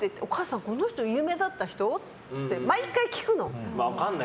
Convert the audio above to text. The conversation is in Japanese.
この人有名だった人？って毎回聞くの。